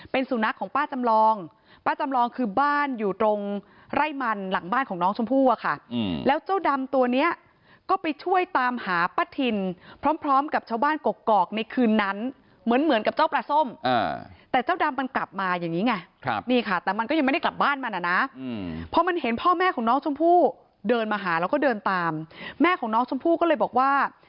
เป็นสุนัขของป้าจำลองป้าจำลองคือบ้านอยู่ตรงไร่มันหลังบ้านของน้องชมพูอะค่ะ